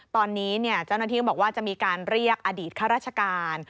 ตอนนี้เจ้าหน้าที่ก็บอกว่าจะมีการเรียกอดีตข้าราชการ